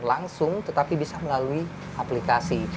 langsung tetapi bisa melalui aplikasi